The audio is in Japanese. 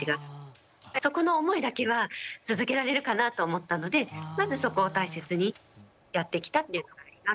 そこの思いだけは続けられるかなと思ったのでまずそこを大切にやってきたっていうのがあります。